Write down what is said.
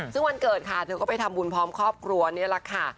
ซึ่งวันเกิดค่ะเธอก็ไปทำบุญพร้อมครอบครัวนี่แหละค่ะ